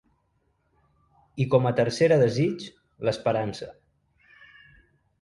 I com a tercera desig, l’esperança.